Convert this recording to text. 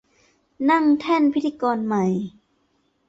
นั่งแท่นพิธีกรใหม่